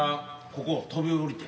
ここを飛び降りて？